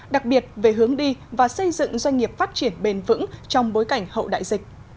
đặc biệt về hướng đi và xây dựng doanh nghiệp phát triển bền vững trong bối cảnh hậu đại dịch